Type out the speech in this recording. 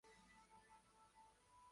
奈良県河合町